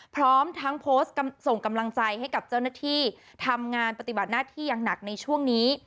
พร้อมทั้งโพสต์ส่งกำลังใจให้กับเจ้าหน้าที่ทำงานปฏิบัติหน้าที่อย่างหนักในช่วงนี้